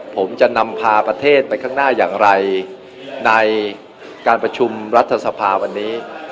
ผมจะนำพาประเทศไปข้างหน้าอย่างไรในการประชุมรัฐสภาวันนี้